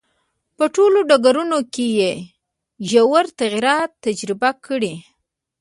په ټولو ډګرونو کې یې ژور تغییرات تجربه کړي.